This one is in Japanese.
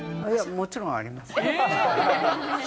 もちろんあります。